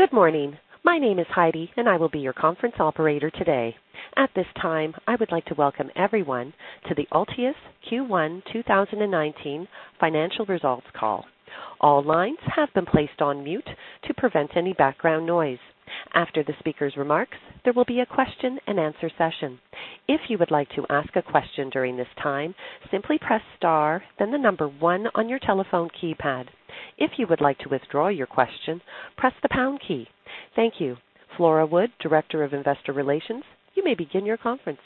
Good morning. My name is Heidi, and I will be your conference operator today. At this time, I would like to welcome everyone to the Altius Q1 2019 financial results call. All lines have been placed on mute to prevent any background noise. After the speaker's remarks, there will be a question-and-answer session. If you would like to ask a question during this time, simply press star, then the number one on your telephone keypad. If you would like to withdraw your question, press the pound key. Thank you. Flora Wood, Director of Investor Relations, you may begin your conference.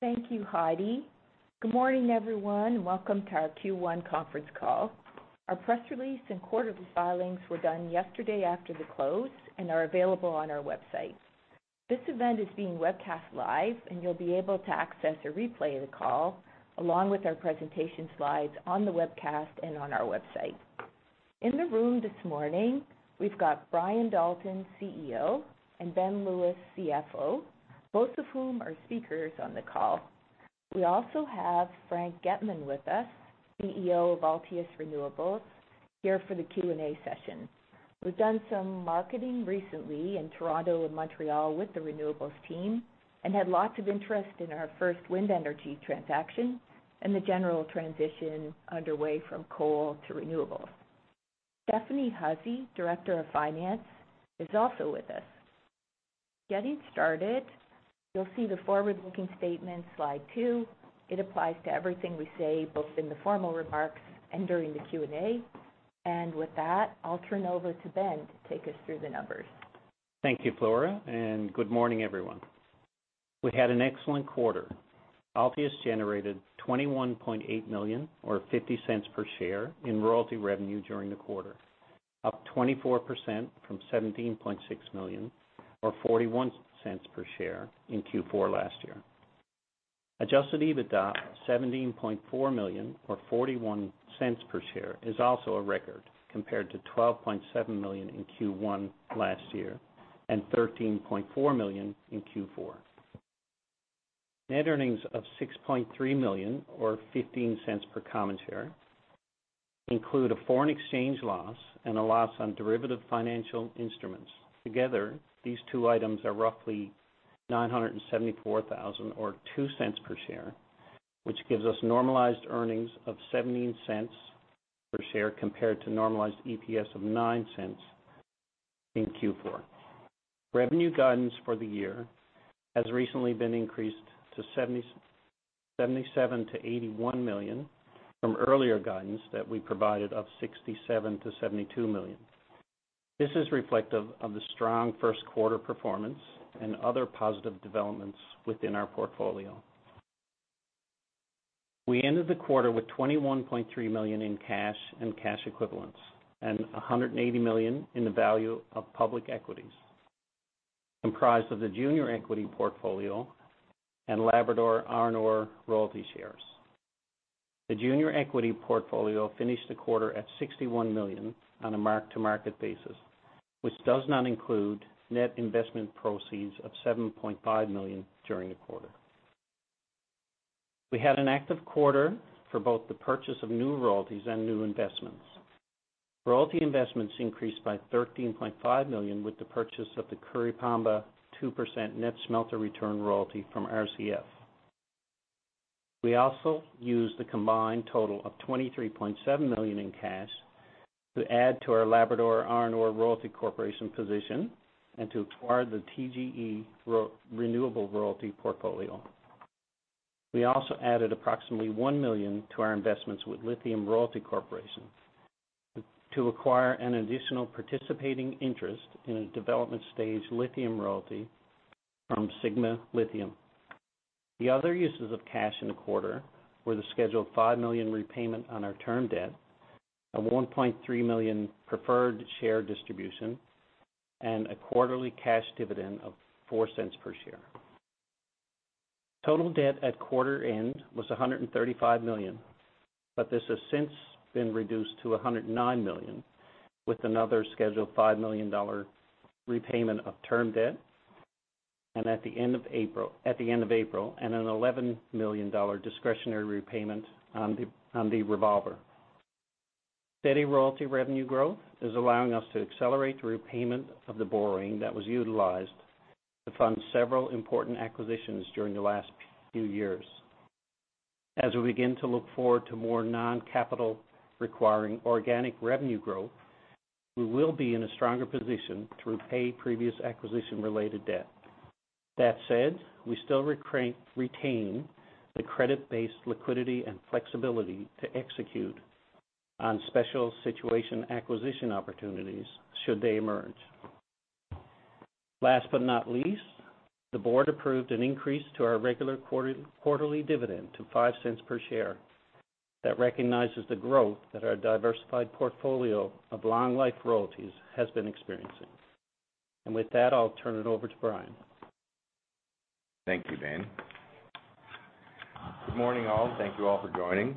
Thank you, Heidi. Good morning, everyone. Welcome to our Q1 conference call. Our press release and quarterly filings were done yesterday after the close and are available on our website. This event is being webcast live, and you'll be able to access a replay of the call along with our presentation slides on the webcast and on our website. In the room this morning, we've got Brian Dalton, CEO, and Ben Lewis, CFO, both of whom are speakers on the call. We also have Frank Getman with us, CEO of Altius Renewables, here for the Q&A session. We've done some marketing recently in Toronto and Montreal with the renewables team and had lots of interest in our first wind energy transaction and the general transition underway from coal to renewables. Stephanie Hussey, Director of Finance, is also with us. Getting started, you'll see the forward-looking statement, slide two. It applies to everything we say, both in the formal remarks and during the Q&A. With that, I'll turn over to Ben to take us through the numbers. Thank you, Flora. Good morning, everyone. We had an excellent quarter. Altius generated 21.8 million or 0.50 per share in royalty revenue during the quarter, up 24% from 17.6 million or 0.41 per share in Q4 last year. Adjusted EBITDA of 17.4 million or 0.41 per share is also a record compared to 12.7 million in Q1 last year and 13.4 million in Q4. Net earnings of 6.3 million or 0.15 per common share include a foreign exchange loss and a loss on derivative financial instruments. Together, these two items are roughly 974,000 or 0.02 per share, which gives us normalized earnings of 0.17 per share compared to normalized EPS of 0.09 in Q4. Revenue guidance for the year has recently been increased to 77 million-81 million from earlier guidance that we provided of 67 million-72 million. This is reflective of the strong first quarter performance and other positive developments within our portfolio. We ended the quarter with 21.3 million in cash and cash equivalents and 180 million in the value of public equities, comprised of the junior equity portfolio and Labrador Iron Ore Royalty shares. The junior equity portfolio finished the quarter at 61 million on a mark-to-market basis, which does not include net investment proceeds of 7.5 million during the quarter. We had an active quarter for both the purchase of new royalties and new investments. Royalty investments increased by 13.5 million with the purchase of the Curipamba 2% net smelter return royalty from RCF. We also used a combined total of 23.7 million in cash to add to our Labrador Iron Ore Royalty Corporation position and to acquire the TGE Renewable royalty portfolio. We also added approximately 1 million to our investments with Lithium Royalty Corp. to acquire an additional participating interest in a development stage lithium royalty from Sigma Lithium. The other uses of cash in the quarter were the scheduled 5 million repayment on our term debt, a 1.3 million preferred share distribution, and a quarterly cash dividend of 0.04 per share. Total debt at quarter end was 135 million, but this has since been reduced to 109 million, with another scheduled 5 million dollar repayment of term debt at the end of April and a 11 million dollar discretionary repayment on the revolver. Steady royalty revenue growth is allowing us to accelerate the repayment of the borrowing that was utilized to fund several important acquisitions during the last few years. As we begin to look forward to more non-capital requiring organic revenue growth, we will be in a stronger position to repay previous acquisition-related debt. That said, we still retain the credit-based liquidity and flexibility to execute on special situation acquisition opportunities should they emerge. Last but not least, the board approved an increase to our regular quarterly dividend to 0.05 per share. That recognizes the growth that our diversified portfolio of long-life royalties has been experiencing. With that, I'll turn it over to Brian. Thank you, Ben. Good morning, all. Thank you all for joining.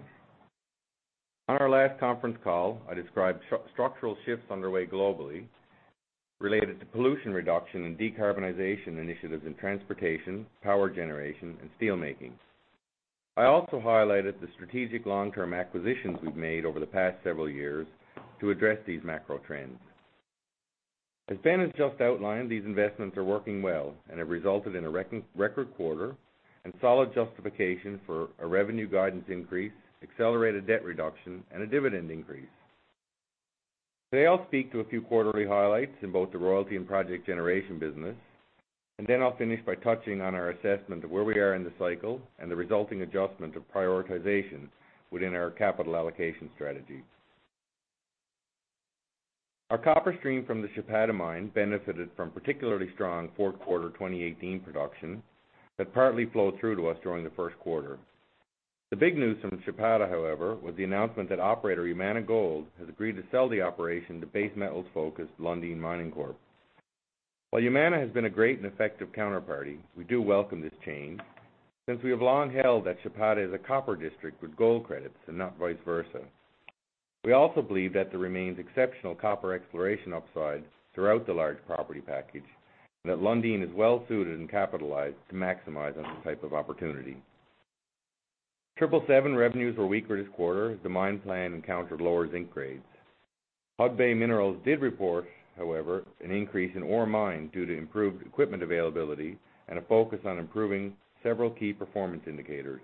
On our last conference call, I described structural shifts underway globally related to pollution reduction and decarbonization initiatives in transportation, power generation, and steel making. I also highlighted the strategic long-term acquisitions we've made over the past several years to address these macro trends. As Ben has just outlined, these investments are working well and have resulted in a record quarter and solid justification for a revenue guidance increase, accelerated debt reduction, and a dividend increase. Today, I'll speak to a few quarterly highlights in both the royalty and project generation business, then I'll finish by touching on our assessment of where we are in the cycle and the resulting adjustment of prioritization within our capital allocation strategy. Our copper stream from the Chapada mine benefited from particularly strong fourth quarter 2018 production that partly flowed through to us during the first quarter. The big news from Chapada, however, was the announcement that operator Yamana Gold has agreed to sell the operation to base metals-focused Lundin Mining Corp. While Yamana has been a great and effective counterparty, we do welcome this change since we have long held that Chapada is a copper district with gold credits, and not vice versa. We also believe that there remains exceptional copper exploration upside throughout the large property package, and that Lundin is well suited and capitalized to maximize on this type of opportunity. 777 revenues were weaker this quarter as the mine plan encountered lower zinc grades. Hudbay Minerals did report, however, an increase in ore mined due to improved equipment availability and a focus on improving several key performance indicators.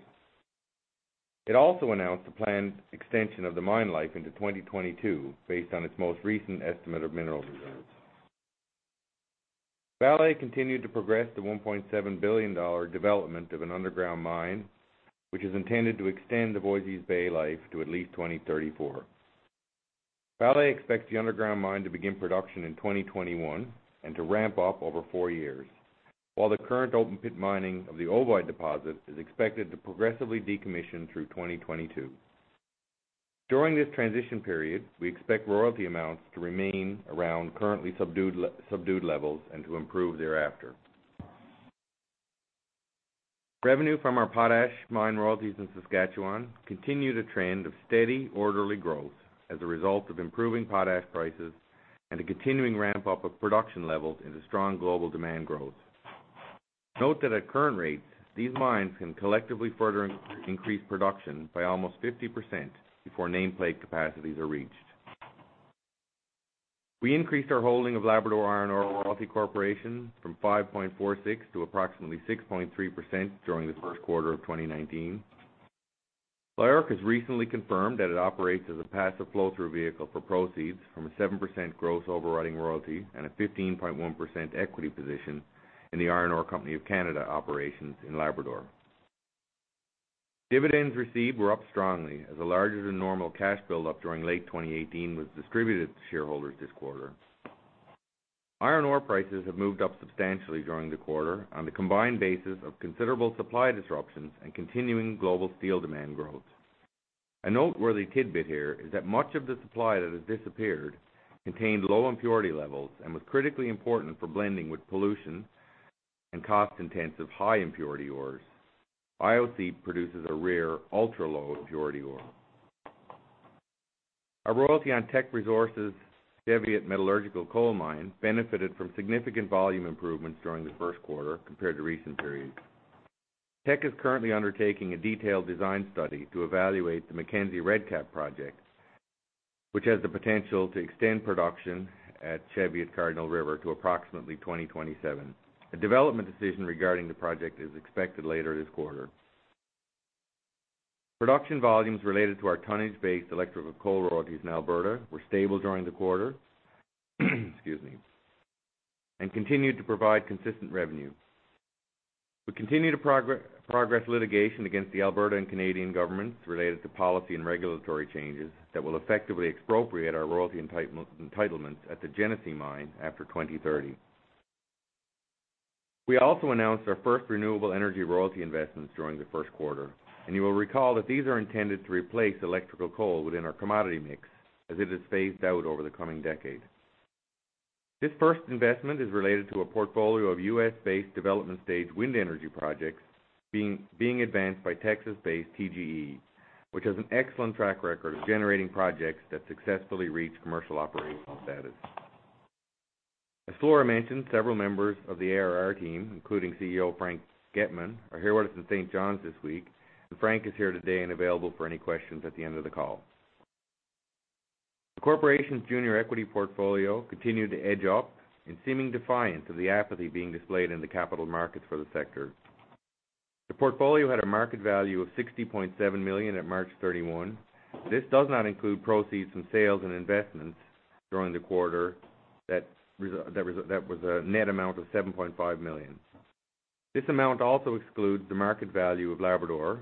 It also announced a planned extension of the mine life into 2022 based on its most recent estimate of mineral reserves. Vale continued to progress the 1.7 billion dollar development of an underground mine, which is intended to extend the Voisey's Bay life to at least 2034. Vale expects the underground mine to begin production in 2021 and to ramp up over four years, while the current open pit mining of the Ovoid deposit is expected to progressively decommission through 2022. During this transition period, we expect royalty amounts to remain around currently subdued levels and to improve thereafter. Revenue from our potash mine royalties in Saskatchewan continue the trend of steady, orderly growth as a result of improving potash prices and a continuing ramp-up of production levels into strong global demand growth. Note that at current rates, these mines can collectively further increase production by almost 50% before nameplate capacities are reached. We increased our holding of Labrador Iron Ore Royalty Corporation from 5.46% to approximately 6.3% during the first quarter of 2019. LIORC has recently confirmed that it operates as a passive flow-through vehicle for proceeds from a 7% gross overriding royalty and a 15.1% equity position in the Iron Ore Company of Canada operations in Labrador. Dividends received were up strongly as a larger than normal cash buildup during late 2018 was distributed to shareholders this quarter. Iron ore prices have moved up substantially during the quarter on the combined basis of considerable supply disruptions and continuing global steel demand growth. A noteworthy tidbit here is that much of the supply that has disappeared contained low impurity levels and was critically important for blending with pollution and cost-intensive high impurity ores. IOC produces a rare ultra-low impurity ore. Our royalty on Teck Resources' Cheviot metallurgical coal mine benefited from significant volume improvements during the first quarter compared to recent periods. Teck is currently undertaking a detailed design study to evaluate the MacKenzie Redcap project, which has the potential to extend production at Cheviot Cardinal River to approximately 2027. A development decision regarding the project is expected later this quarter. Production volumes related to our tonnage-based thermal coal royalties in Alberta were stable during the quarter, excuse me, and continued to provide consistent revenue. We continue to progress litigation against the Alberta and Canadian governments related to policy and regulatory changes that will effectively expropriate our royalty entitlements at the Genesee Mine after 2030. You will recall that these are intended to replace electrical coal within our commodity mix as it is phased out over the coming decade. This first investment is related to a portfolio of U.S.-based development stage wind energy projects being advanced by Texas-based TGE, which has an excellent track record of generating projects that successfully reach commercial operational status. As Flora mentioned, several members of the ARR team, including CEO Frank Getman, are here with us in St. John's this week. Frank is here today and available for any questions at the end of the call. The corporation's junior equity portfolio continued to edge up in seeming defiance of the apathy being displayed in the capital markets for the sector. The portfolio had a market value of 60.7 million at March 31. This does not include proceeds from sales and investments during the quarter that was a net amount of 7.5 million. This amount also excludes the market value of Labrador,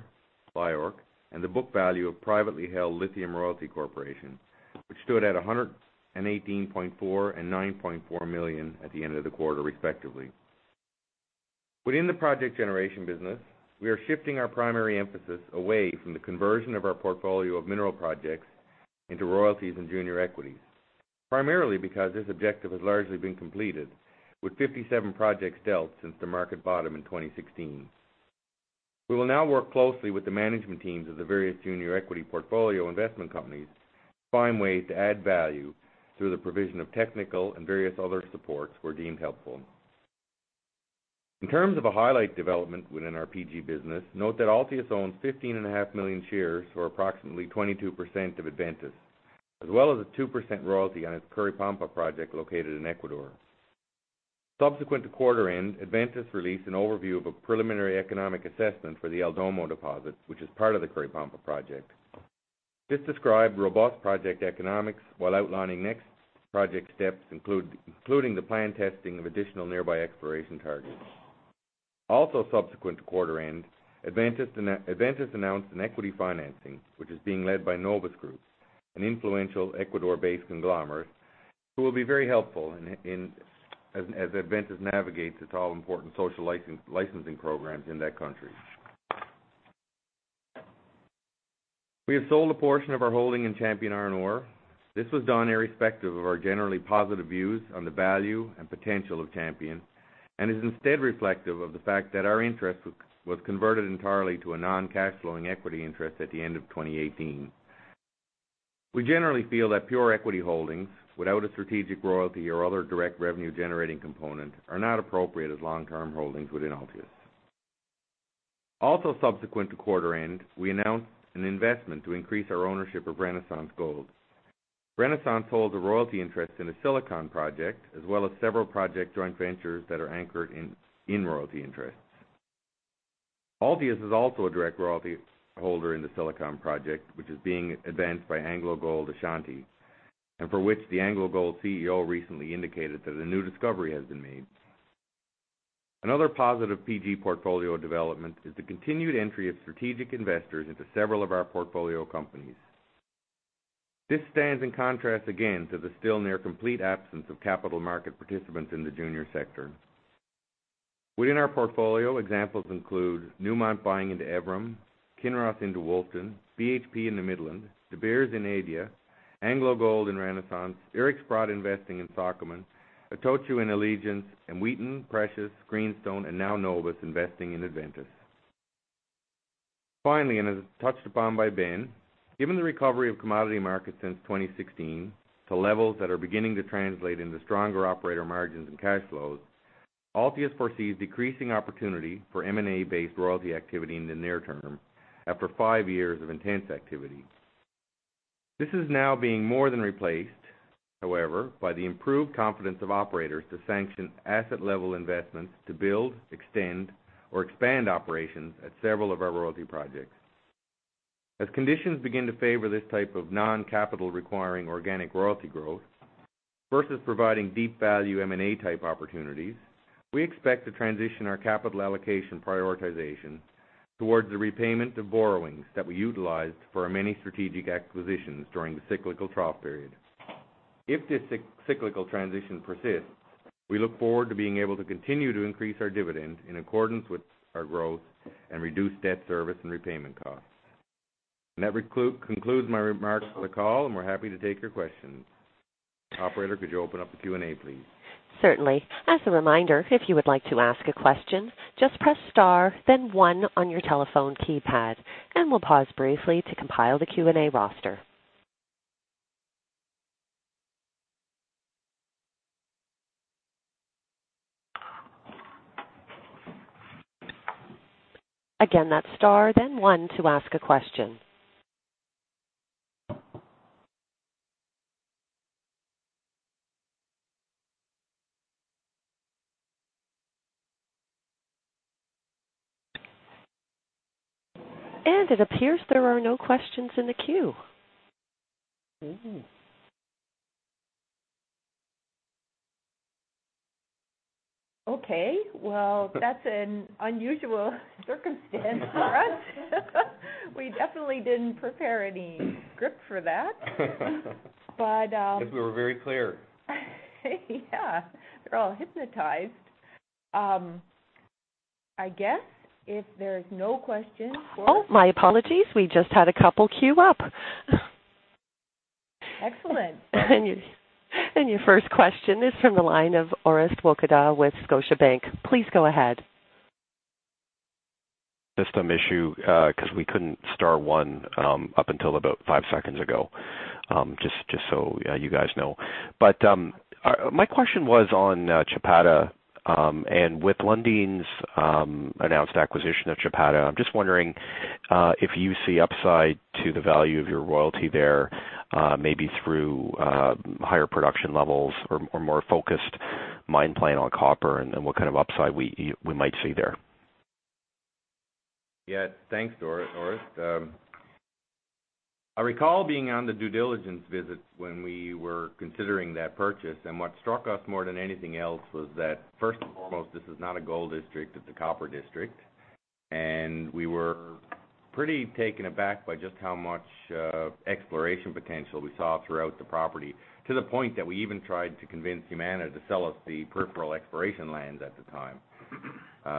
LIORC, and the book value of privately held Lithium Royalty Corporation, which stood at 118.4 million and 9.4 million at the end of the quarter, respectively. Within the project generation business, we are shifting our primary emphasis away from the conversion of our portfolio of mineral projects into royalties and junior equities, primarily because this objective has largely been completed with 57 projects dealt since the market bottom in 2016. We will now work closely with the management teams of the various junior equity portfolio investment companies to find ways to add value through the provision of technical and various other supports where deemed helpful. In terms of a highlight development within our PG business, note that Altius owns 15.5 million shares or approximately 22% of Adventus, as well as a 2% royalty on its Curipamba project located in Ecuador. Subsequent to quarter end, Adventus released an overview of a preliminary economic assessment for the El Domo deposit, which is part of the Curipamba project. This described robust project economics while outlining next project steps including the planned testing of additional nearby exploration targets. Subsequent to quarter end, Adventus announced an equity financing, which is being led by Novus Group, an influential Ecuador-based conglomerate who will be very helpful as Adventus navigates its all-important social licensing programs in that country. We have sold a portion of our holding in Champion Iron Ore. This was done irrespective of our generally positive views on the value and potential of Champion. Is instead reflective of the fact that our interest was converted entirely to a non-cash flowing equity interest at the end of 2018. We generally feel that pure equity holdings without a strategic royalty or other direct revenue-generating component are not appropriate as long-term holdings within Altius. Subsequent to quarter end, we announced an investment to increase our ownership of Renaissance Gold. Renaissance holds a royalty interest in the Silicon project as well as several project joint ventures that are anchored in royalty interests. Altius is also a direct royalty holder in the Silicon project, which is being advanced by AngloGold Ashanti. For which the AngloGold CEO recently indicated that a new discovery has been made. Another positive PG portfolio development is the continued entry of strategic investors into several of our portfolio companies. This stands in contrast again to the still near complete absence of capital market participants in the junior sector. Within our portfolio, examples include Newmont buying into Evrim, Kinross into Wilton, BHP into Midland, De Beers in Adia, AngloGold in Renaissance, Eric Sprott investing in Sokoman, Itochu in Allegiance, and Wheaton Precious Metals, Greenstone, and now Novus investing in Adventus. As touched upon by Ben Lewis, given the recovery of commodity markets since 2016 to levels that are beginning to translate into stronger operator margins and cash flows, Altius foresees decreasing opportunity for M&A-based royalty activity in the near term after five years of intense activity. This is now being more than replaced, however, by the improved confidence of operators to sanction asset-level investments to build, extend, or expand operations at several of our royalty projects. As conditions begin to favor this type of non-capital requiring organic royalty growth versus providing deep value M&A type opportunities, we expect to transition our capital allocation prioritization towards the repayment of borrowings that we utilized for our many strategic acquisitions during the cyclical trough period. If this cyclical transition persists, we look forward to being able to continue to increase our dividend in accordance with our growth and reduce debt service and repayment costs. That concludes my remarks for the call, and we're happy to take your questions. Operator, could you open up the Q&A, please? Certainly. As a reminder, if you would like to ask a question, just press star then one on your telephone keypad, and we'll pause briefly to compile the Q&A roster. Again, that's star then one to ask a question. It appears there are no questions in the queue. Ooh. Okay, well, that's an unusual circumstance for us. We definitely didn't prepare any script for that. I think we were very clear. Yeah. They're all hypnotized. I guess if there's no questions for us- Oh, my apologies. We just had a couple queue up. Excellent. Your first question is from the line of Orest Wowkodaw with Scotiabank. Please go ahead. System issue, because we couldn't star one up until about five seconds ago, just so you guys know. My question was on Chapada, and with Lundin's announced acquisition of Chapada, I'm just wondering if you see upside to the value of your royalty there, maybe through higher production levels or more focused mine plan on copper, and then what kind of upside we might see there? Yeah. Thanks, Orest. I recall being on the due diligence visits when we were considering that purchase, what struck us more than anything else was that, first and foremost, this is not a gold district, it's a copper district. We were pretty taken aback by just how much exploration potential we saw throughout the property to the point that we even tried to convince Yamana to sell us the peripheral exploration lands at the time.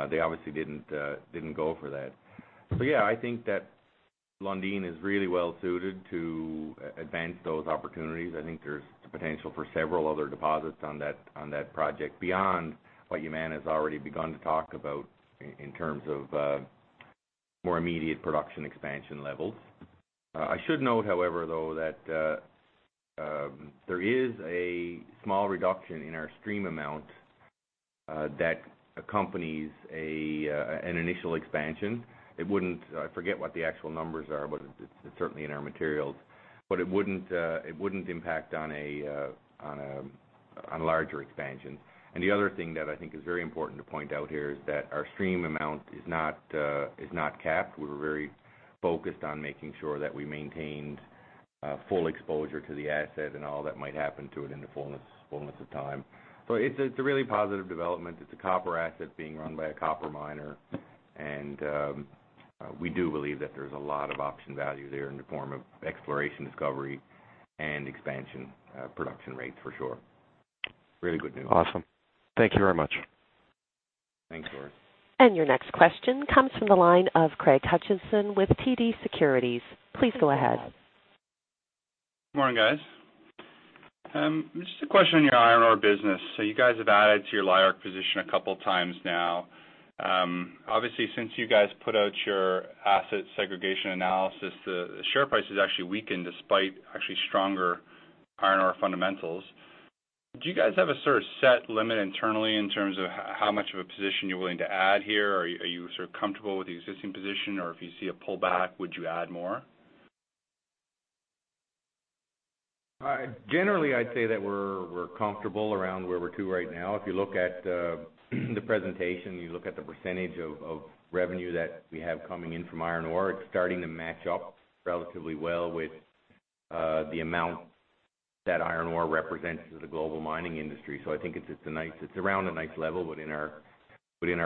They obviously didn't go for that. Yeah, I think that Lundin is really well suited to advance those opportunities. I think there's potential for several other deposits on that project beyond what Yamana's already begun to talk about in terms of more immediate production expansion levels. I should note, however, though, that there is a small reduction in our stream amount that accompanies an initial expansion. I forget what the actual numbers are, but it's certainly in our materials. It wouldn't impact on a larger expansion. The other thing that I think is very important to point out here is that our stream amount is not capped. We're very focused on making sure that we maintained full exposure to the asset and all that might happen to it in the fullness of time. It's a really positive development. It's a copper asset being run by a copper miner, and we do believe that there's a lot of option value there in the form of exploration, discovery, and expansion production rates for sure. Really good news. Awesome. Thank you very much. Thanks, George. Your next question comes from the line of Craig Hutchison with TD Securities. Please go ahead. Morning, guys. Just a question on your iron ore business. You guys have added to your LIORC position a couple times now. Obviously, since you guys put out your asset segregation analysis, the share price has actually weakened despite actually stronger iron ore fundamentals. Do you guys have a sort of set limit internally in terms of how much of a position you're willing to add here? Are you sort of comfortable with the existing position, or if you see a pullback, would you add more? Generally, I'd say that we're comfortable around where we're to right now. If you look at the presentation, you look at the percentage of revenue that we have coming in from iron ore, it's starting to match up relatively well with the amount that iron ore represents to the global mining industry. I think it's around a nice level within our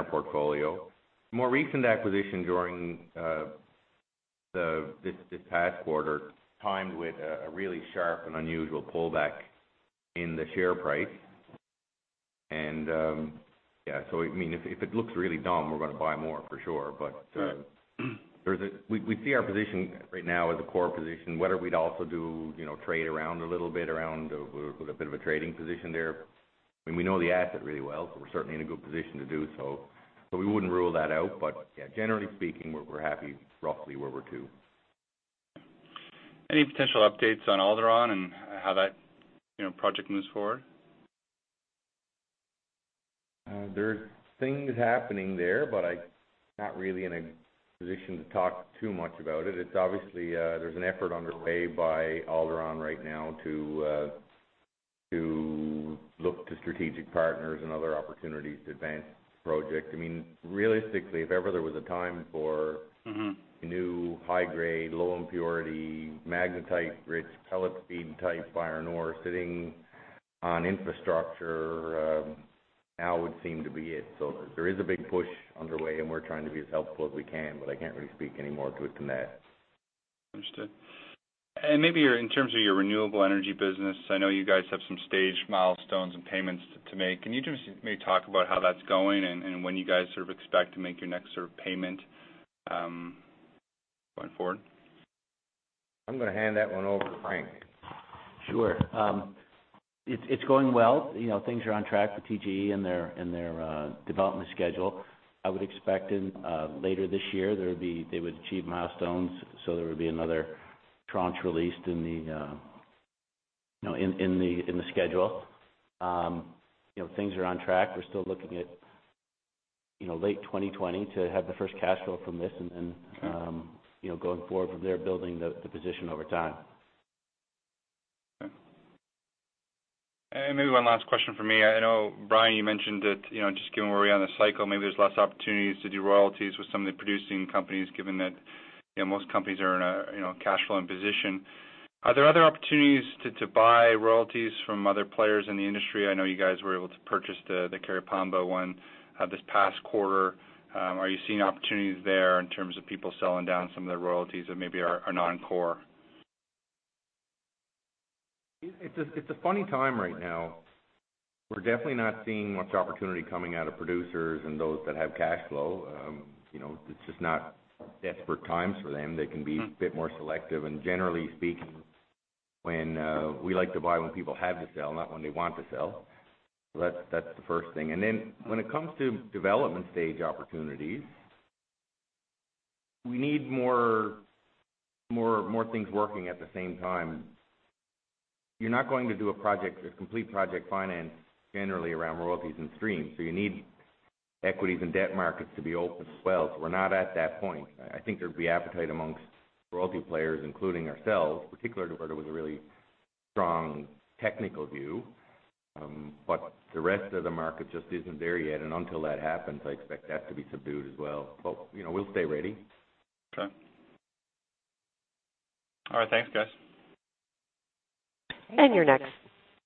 portfolio. More recent acquisition during this past quarter, timed with a really sharp and unusual pullback in the share price. Yeah, if it looks really dumb, we're going to buy more for sure. We see our position right now as a core position. Whether we'd also trade around a little bit around with a bit of a trading position there. We know the asset really well, so we're certainly in a good position to do so, but we wouldn't rule that out. yeah, generally speaking, we're happy roughly where we're to. Any potential updates on Alderon and how that project moves forward? There are things happening there, but I'm not really in a position to talk too much about it. Obviously, there's an effort underway by Alderon right now to look to strategic partners and other opportunities to advance the project. Realistically, if ever there was a time. new high-grade, low impurity, magnetite-rich pellet feed type iron ore sitting on infrastructure, now would seem to be it. There is a big push underway, and we're trying to be as helpful as we can, but I can't really speak any more to it than that. Understood. Maybe in terms of your renewable energy business, I know you guys have some staged milestones and payments to make. Can you just maybe talk about how that's going and when you guys expect to make your next payment going forward? I'm going to hand that one over to Frank. Sure. It's going well. Things are on track for TGE and their development schedule. I would expect later this year, they would achieve milestones, so there would be another tranche released in the schedule. Things are on track. We're still looking at late 2020 to have the first cash flow from this. Okay going forward from there, building the position over time. Maybe one last question from me. I know, Brian, you mentioned that just given where we are in the cycle, maybe there's less opportunities to do royalties with some of the producing companies, given that most companies are in a cash flowing position. Are there other opportunities to buy royalties from other players in the industry? I know you guys were able to purchase the Curipamba one this past quarter. Are you seeing opportunities there in terms of people selling down some of their royalties that maybe are non-core? It's a funny time right now. We're definitely not seeing much opportunity coming out of producers and those that have cash flow. It's just not desperate times for them. They can be a bit more selective. Generally speaking, we like to buy when people have to sell, not when they want to sell. That's the first thing. When it comes to development stage opportunities, we need more things working at the same time. You're not going to do a project or complete project finance generally around royalties and streams. You need equities and debt markets to be open as well. We're not at that point. I think there'd be appetite amongst royalty players, including ourselves, particularly where there was a really strong technical view. The rest of the market just isn't there yet. Until that happens, I expect that to be subdued as well. We'll stay ready. Okay. All right. Thanks, guys. Your next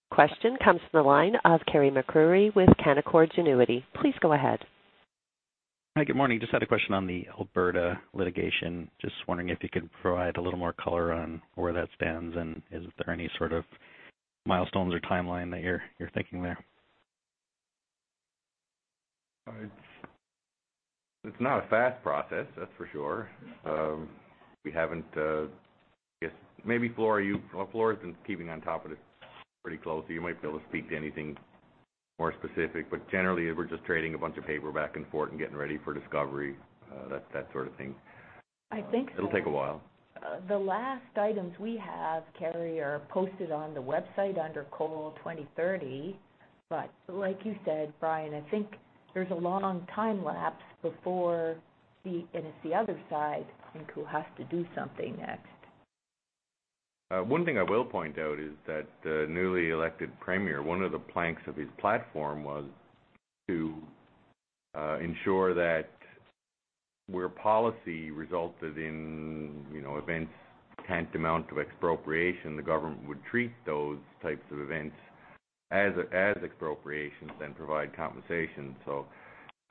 question comes from the line of Carey MacRury with Canaccord Genuity. Please go ahead. Hi, good morning. Just had a question on the Alberta litigation. Just wondering if you could provide a little more color on where that stands, and is there any sort of milestones or timeline that you're thinking there? It's not a fast process, that's for sure. Maybe Flora's been keeping on top of this pretty closely. You might be able to speak to anything more specific, generally we're just trading a bunch of paper back and forth and getting ready for discovery, that sort of thing. I think so. It'll take a while. The last items we have, Carey, are posted on the website under Coal 2030. Like you said, Brian, I think there's a long time lapse before. It's the other side, I think, who has to do something next. One thing I will point out is that the newly elected premier, one of the planks of his platform was to ensure that where policy resulted in events tantamount to expropriation, the government would treat those types of events as expropriations, then provide compensation.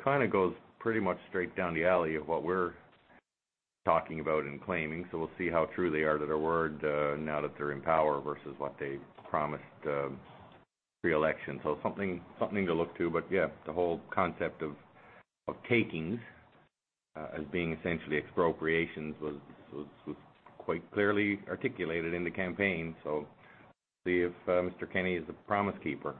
Kind of goes pretty much straight down the alley of what we're talking about and claiming. We'll see how true they are to their word now that they're in power versus what they promised pre-election. Something to look to, but yeah, the whole concept of takings as being essentially expropriations was quite clearly articulated in the campaign. We'll see if Mr. Kenney is a promise keeper.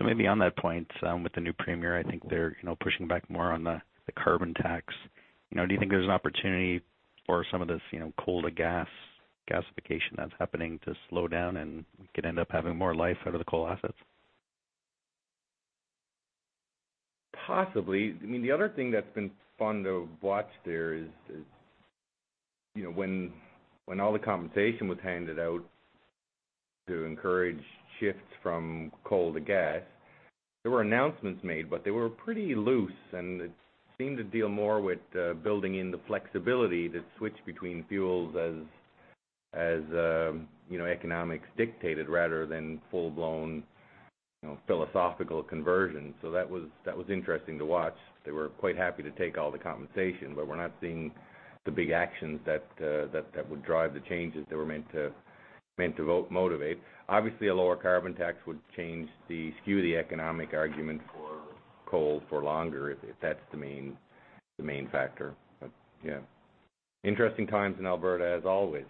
Maybe on that point, with the new premier, I think they're pushing back more on the carbon tax. Do you think there's an opportunity for some of this coal to gas gasification that's happening to slow down and we could end up having more life out of the coal assets? Possibly. The other thing that's been fun to watch there is when all the compensation was handed out to encourage shifts from coal to gas, there were announcements made, but they were pretty loose, and it seemed to deal more with building in the flexibility to switch between fuels as economics dictated rather than full-blown philosophical conversion. That was interesting to watch. They were quite happy to take all the compensation, but we're not seeing the big actions that would drive the changes that were meant to motivate. Obviously, a lower carbon tax would skew the economic argument for coal for longer, if that's the main factor. Interesting times in Alberta, as always.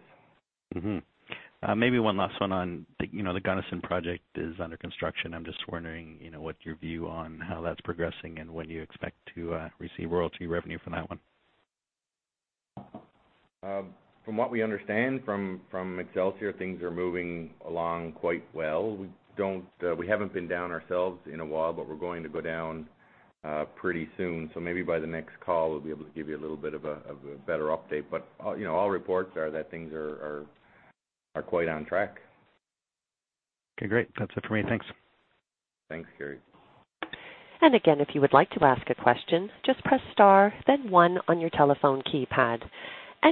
Maybe one last one on the Gunnison project is under construction. I'm just wondering what's your view on how that's progressing, and when do you expect to receive royalty revenue from that one? From what we understand from Excelsior, things are moving along quite well. We haven't been down ourselves in a while, but we're going to go down pretty soon. Maybe by the next call, we'll be able to give you a little bit of a better update. All reports are that things are quite on track. Okay, great. That's it for me. Thanks. Thanks, Carey. Again, if you would like to ask a question, just press star, then one on your telephone keypad.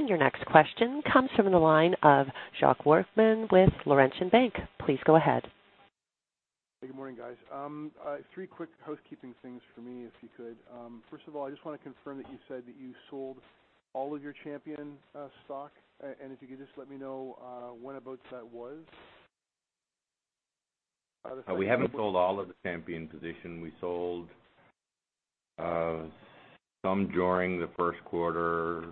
Your next question comes from the line of Jacques Workman with Laurentian Bank. Please go ahead. Good morning, guys. Three quick housekeeping things for me, if you could. First of all, I just want to confirm that you said that you sold all of your Champion stock, and if you could just let me know whenabouts that was. We haven't sold all of the Champion position. We sold some during the first quarter.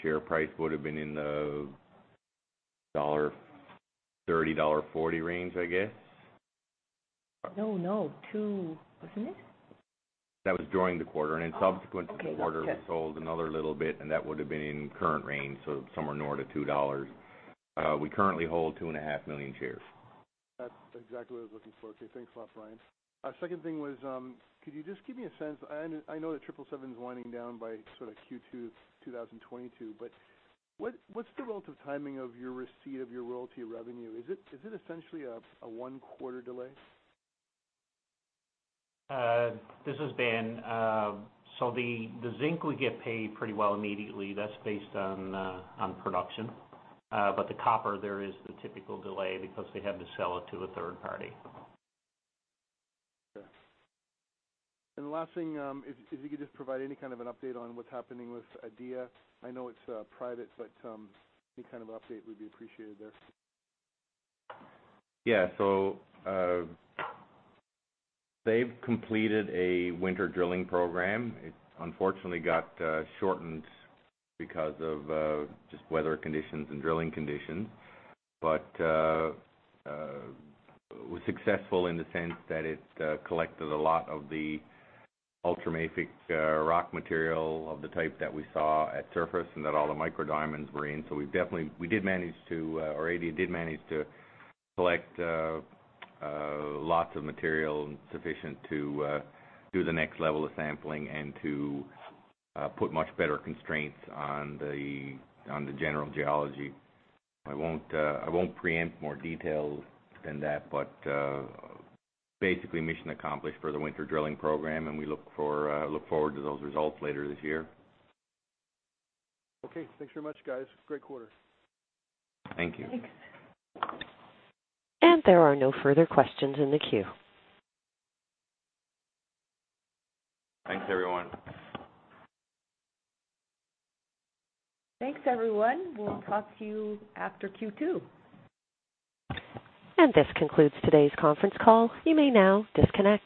Share price would've been in the 30 dollar, 40 range, I guess. No, no, two, wasn't it? That was during the quarter. Oh, okay. In subsequent to the quarter, we sold another little bit, and that would've been in current range, so somewhere north of 2 dollars. We currently hold 2.5 million shares. That's exactly what I was looking for. Okay, thanks a lot, Brian. Second thing was could you just give me a sense I know that 777's winding down by Q2 2022, but what's the relative timing of your receipt of your royalty revenue? Is it essentially a one-quarter delay? This is Ben. The zinc we get paid pretty well immediately. That's based on production. The copper there is the typical delay because they have to sell it to a third party. Okay. The last thing, if you could just provide any kind of an update on what's happening with Aiia. I know it's private, but any kind of an update would be appreciated there. Yeah. They've completed a winter drilling program. It unfortunately got shortened because of just weather conditions and drilling conditions, but was successful in the sense that it collected a lot of the ultramafic rock material of the type that we saw at surface and that all the micro diamonds were in. Aiia did manage to collect lots of material sufficient to do the next level of sampling and to put much better constraints on the general geology. I won't preempt more details than that, but basically mission accomplished for the winter drilling program, We look forward to those results later this year. Okay. Thanks very much, guys. Great quarter. Thank you. Thanks. There are no further questions in the queue. Thanks, everyone. Thanks, everyone. We'll talk to you after Q2. This concludes today's conference call. You may now disconnect.